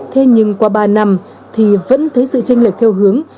thế nhưng qua ba năm thì vẫn thấy sự tranh lệch theo hướng